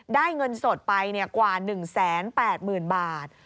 ได้เงินสดไปกว่า๑แสน๘หมื่นบาท